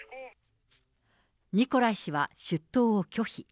ニコライ氏は出頭を拒否。